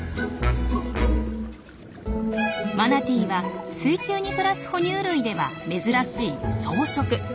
マナティーは水中に暮らす哺乳類では珍しい草食。